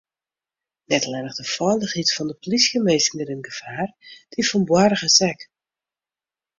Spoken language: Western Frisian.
Net allinnich de feilichheid fan de plysjeminsken rint gefaar, dy fan boargers ek.